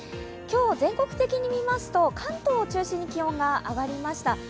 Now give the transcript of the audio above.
今日、全国的に見ますと関東を中心に気温が上がりました。